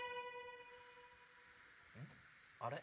あれ？